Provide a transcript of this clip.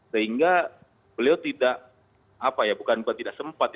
sehingga beliau tidak bukan bukan tidak sempat